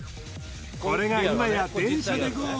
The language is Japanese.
これが今や電車でＧＯ！！